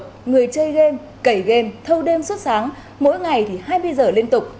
trường hợp người chơi game kẩy game thâu đêm suốt sáng mỗi ngày thì hai mươi giờ liên tục